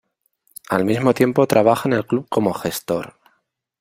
Al mismo tiempo trabaja en el club como gestor.